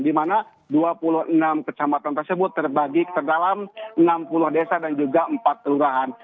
di mana dua puluh enam kecamatan tersebut terbagi ke dalam enam puluh desa dan juga empat kelurahan